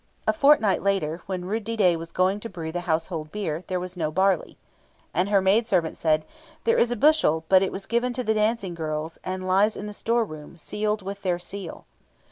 A fortnight later, when Rud didet was going to brew the household beer, there was no barley. And her maidservant said, "There is a bushel, but it was given to the dancing girls, and lies in the store room, sealed with their seal."